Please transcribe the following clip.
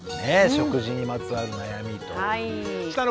「食事にまつわる悩み」という。